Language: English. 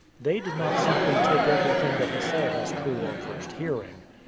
They did not simply take every thing that he said as true on first hearing.